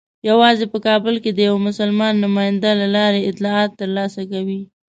یوازې په کابل کې د یوه مسلمان نماینده له لارې اطلاعات ترلاسه کوي.